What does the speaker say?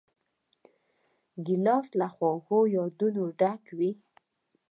ګیلاس له خوږو یادونو ډک وي.